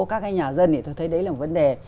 các nhà dân thì tôi thấy đấy là vấn đề